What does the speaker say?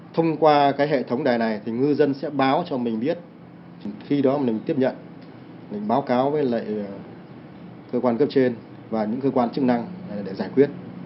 thông qua cái hệ thống đài này thì ngư dân sẽ báo cho mình biết khi đó mình tiếp nhận mình báo cáo với lại cơ quan cấp trên và những cơ quan chức năng để giải quyết